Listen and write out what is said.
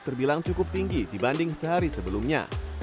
terbilang cukup tinggi dibanding sehari sebelumnya